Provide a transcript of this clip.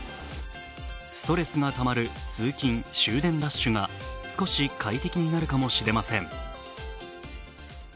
ストレスがたまる通勤・終電ラッシュが少し快適になるかもしれません。